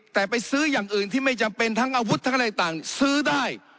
แต่ไปซื้ออย่างอื่นที่ไม่จำเป็นทั้งอาวุธทั้งอะไรต่างซื้อได้